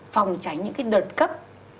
phòng tránh những cái đợt cấp